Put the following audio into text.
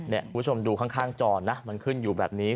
คุณผู้ชมดูข้างจอนะมันขึ้นอยู่แบบนี้